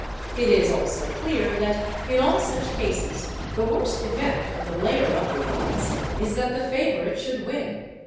It is also clear that in all such cases the worst event for the layer of the odds is, that the favourite should win.